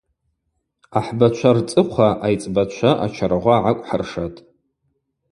Ахӏбачва рцӏыхъва айцӏбачва ачаргъва гӏакӏвхӏыршатӏ.